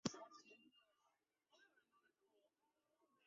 江南金山人。